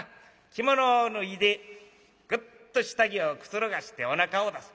着物を脱いでぐっと下着をくつろがしておなかを出す。